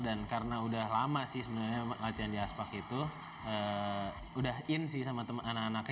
dan karena udah lama sih sebenernya latihan di aspak itu udah in sih sama anak anaknya